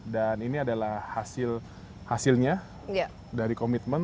dan ini adalah hasilnya dari komitmen